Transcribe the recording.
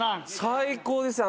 最高ですよ